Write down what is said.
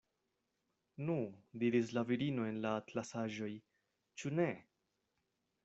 Nu, diris la virino en la atlasaĵoj, ĉu ne?